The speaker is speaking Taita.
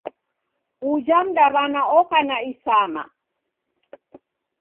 Uja mdaw'ana oka na isama.